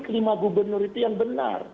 kelima gubernur itu yang benar